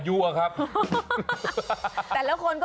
แต่ละคนก็ปีนไปเท่าไหร่แล้ว